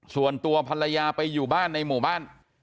ส่วนตัวภรรยาไปอยู่บ้านในหมู่บ้าน